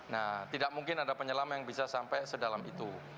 nah tidak mungkin ada penyelam yang bisa sampai sedalam itu